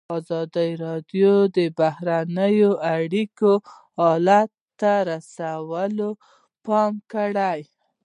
ازادي راډیو د بهرنۍ اړیکې حالت ته رسېدلي پام کړی.